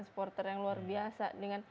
supporter yang luar biasa